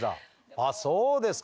あっそうですか。